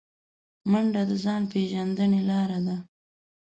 منډه د ځان پیژندنې لاره ده